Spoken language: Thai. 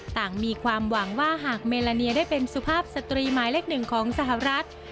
ต่างมีความหวังว่าหากเมลาเนียได้เป็นสุภาพสตรีหมายเล็กหนึ่งของสหรัฐ